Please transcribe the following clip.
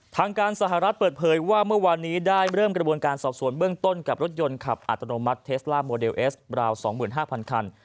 ทางการสหรัฐเปิดเผยว่าเมื่อวานนี้ได้เริ่มกระบวนการสอบสวนเบื้องต้นกับรถยนต์ขับอัตโนมัติเทสล่าโมเดลเอสราว๒๕๐๐คัน